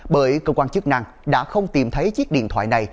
bởi cơ quan chức năng đã không tìm thấy chiếc điện thoại này